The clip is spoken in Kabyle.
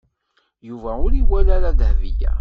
Yuba ur iwala ara Dahbiya.